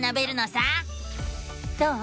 どう？